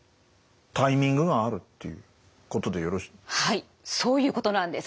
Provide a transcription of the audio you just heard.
はいそういうことなんです。